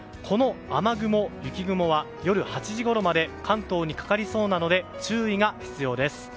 この雨雲、雪雲は夜８時ごろまで関東にかかりそうなので注意が必要です。